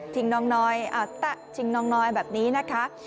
ทิ้งน้องน้อยอ่ะตะทิ้งน้องน้อยแบบนี้นะคะ